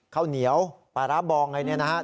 ข้าวเหนียวปลาร้าบองอะไรเนี่ยนะครับ